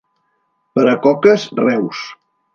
Per a coques, Reus.